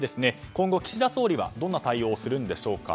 今後、岸田総理はどんな対応をするんでしょうか。